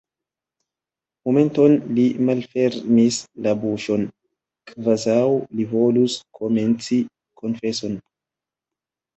Momenton li malfermis la buŝon, kvazaŭ li volus komenci konfeson.